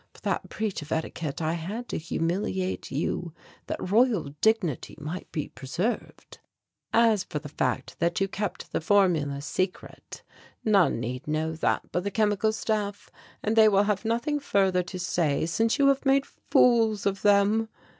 For that breach of etiquette I had to humiliate you that Royal dignity might be preserved. As for the fact that you kept the formulas secret, none need know that but the Chemical Staff and they will have nothing further to say since you made fools of them."